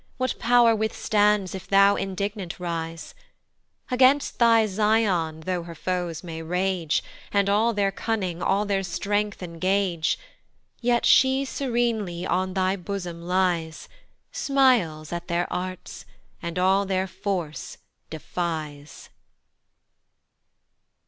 What pow'r withstands if thou indignant rise? Against thy Zion though her foes may rage, And all their cunning, all their strength engage, Yet she serenely on thy bosom lies, Smiles at their arts, and all their force defies.